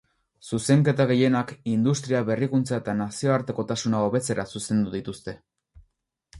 Zuzenketa gehienak industria, berrikuntza eta nazioartekotasuna hobetzera zuzendu dituzte.